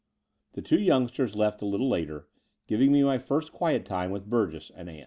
The two youngsters left a little later, giving me my first quiet time with Burgess and Ann.